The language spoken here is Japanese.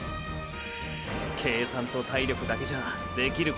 計算と体力だけじゃあできることじゃない！